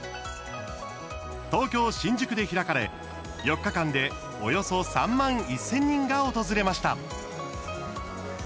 東京・新宿で開かれ４日間でおよそ３万１０００人が訪れました。